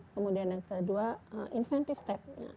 kemudian yang kedua inventif step